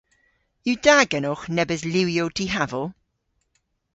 Yw da genowgh nebes liwyow dihaval?